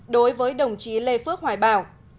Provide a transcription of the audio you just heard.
đối với đồng chí lê phước hoài bảo